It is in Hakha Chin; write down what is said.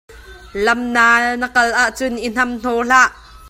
Lam naal na kal ahcun i hnawnam hlah.